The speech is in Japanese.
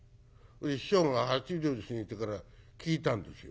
師匠が８０過ぎてから聞いたんですよ。